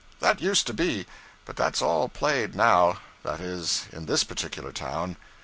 That used to be, but that's all played now; that is, in this particular town.